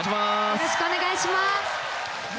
よろしくお願いします。